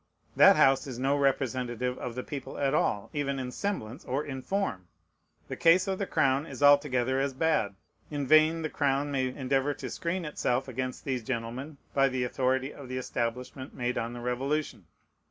That House is no representative of the people at all, even in "semblance" or "in form." The case of the crown is altogether as bad. In vain the crown may endeavor to screen itself against these gentlemen by the authority of the establishment made on the Revolution.